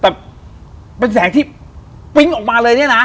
แต่เป็นแสงที่ปิ๊งออกมาเลยเนี่ยนะ